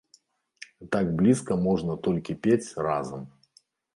Так блізка можна толькі пець разам.